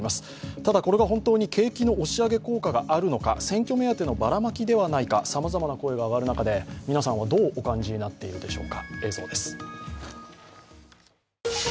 ただ、これが本当に景気の押し上げ効果があるのか、選挙目当てのばらまきではないか、さまざまな声が上がる中で皆さんはどうお感じになっているでしょうか。